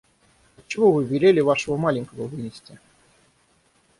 Отчего вы велели вашего маленького вынести?